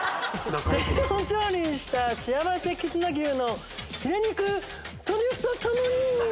低温調理したしあわせ絆牛のヒレ肉トリュフと共に。